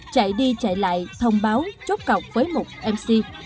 chạy đi chạy lại thông báo chốt cọc với mục mc